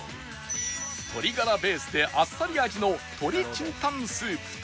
鶏ガラベースであっさり味の鶏清湯スープと